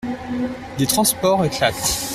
Des transports éclatent.